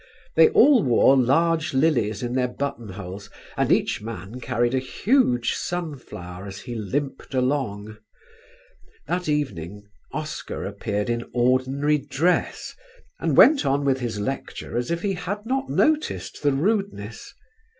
They all wore large lilies in their buttonholes and each man carried a huge sunflower as he limped along." That evening Oscar appeared in ordinary dress and went on with his lecture as if he had not noticed the rudeness.